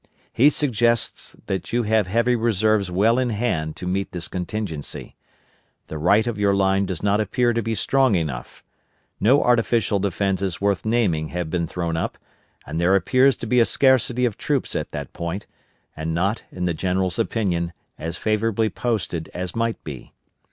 He suggests that you have heavy reserves well in hand to meet this contingency. The right of your line does not appear to be strong enough. No artificial defences worth naming have been thrown up, and there appears to be a scarcity of troops at that point, and not, in the General's opinion, as favorably posted as might be.